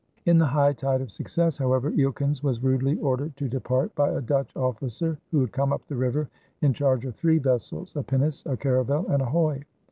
In the high tide of success, however, Eelkens was rudely ordered to depart by a Dutch officer who had come up the river in charge of three vessels, a pinnace, a caravel, and a hoy.